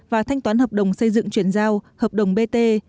và thanh toán hợp đồng xây dựng chuyển giao hợp đồng bt